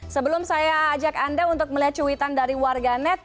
sebelum saya ajak anda untuk melihat cuitan dari warganet